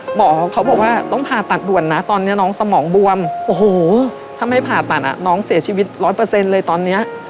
หมอเขาบอกว่าต้องผ่าตัดด่วนนะตอนนี้น้องสมองบวมโอ้โหถ้าไม่ผ่าตัดน้องเสียชีวิตร้อยเปอร์เซ็นต์เลยตอนนี้